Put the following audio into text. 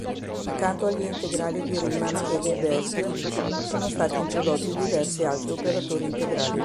Accanto agli integrali di Riemann e Lebesgue sono stati introdotti diversi altri operatori integrali.